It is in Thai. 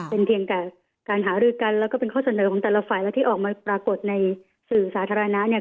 เป็นเพียงแต่การหารือกันแล้วก็เป็นข้อเสนอของแต่ละฝ่ายแล้วที่ออกมาปรากฏในสื่อสาธารณะเนี่ย